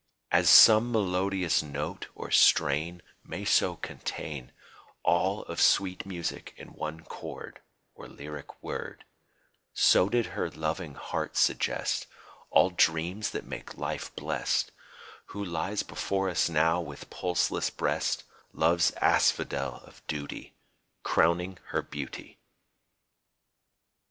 II. As some melodious note or strain May so contain All of sweet music in one chord, Or lyric word So did her loving heart suggest All dreams that make life blest, Who lies before us now with pulseless breast, Love's asphodel of duty Crowning her beauty.